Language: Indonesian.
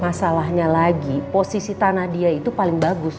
masalahnya lagi posisi tanah dia itu paling bagus